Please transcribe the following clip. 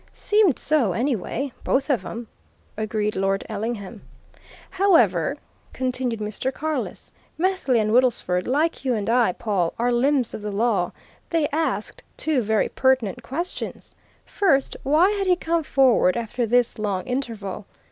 "Seemed so, anyway, both of 'em," agreed Lord Ellingham. "However," continued Mr. Carless, "Methley and Woodlesford, like you and I, Pawle, are limbs of the law. They asked two very pertinent questions. First why had he come forward after this long interval?